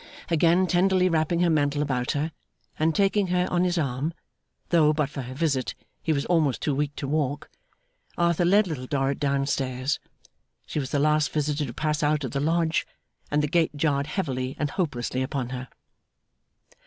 Again tenderly wrapping her mantle about her, and taking her on his arm (though, but for her visit, he was almost too weak to walk), Arthur led Little Dorrit down stairs. She was the last visitor to pass out at the Lodge, and the gate jarred heavily and hopelessly upon her.